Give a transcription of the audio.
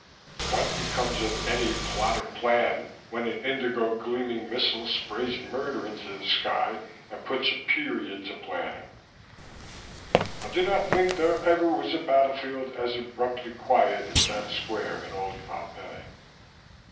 What becomes of any plot or plan, when an indigo gleaming missile sprays murder into the sky and puts a period to planning? I do not think there ever was a battlefield as abruptly quiet as that square in old Pompeii.